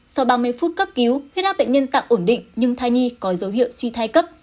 sau ba mươi phút cấp cứu huyết áp bệnh nhân tạm ổn định nhưng thai nhi có dấu hiệu suy thai cấp